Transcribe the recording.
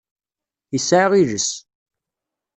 Yesɛa iles.